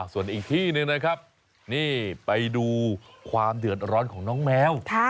ส่วนอีกที่หนึ่งนะครับนี่ไปดูความเดือดร้อนของน้องแมว